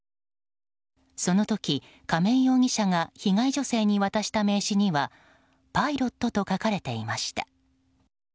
その時、亀井容疑者が被害女性に渡した名刺にはパイロットと書かれていました。